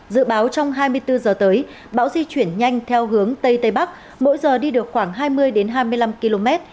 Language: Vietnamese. dự báo trong hai mươi bốn giờ tới bão di chuyển nhanh theo hướng tây tây bắc mỗi giờ đi được khoảng hai mươi hai mươi năm km